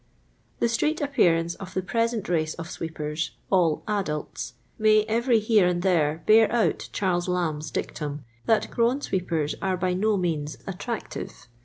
The street appearance of the present race of sweepers, airadults, may every here and there bear out Charles Lamb's dictum, that grown sweepers arc by no means attractive.